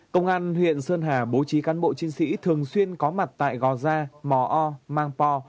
công an huyện sơn hà bố trí cán bộ chiến sĩ thường xuyên có mặt tại gò gia mò o mang po